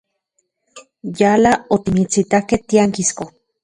Yala otimitsitakej tiankisko.